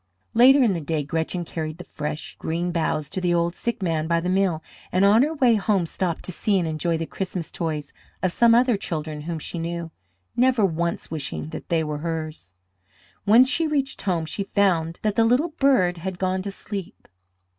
Later in the day Gretchen carried the fresh, green boughs to the old sick man by the mill, and on her way home stopped to see and enjoy the Christmas toys of some other children whom she knew, never once wishing that they were hers. When she reached home she found that the little bird had gone to sleep.